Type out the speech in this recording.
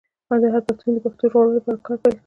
هر پښتون دې د پښتو د ژغورلو لپاره کار پیل کړي.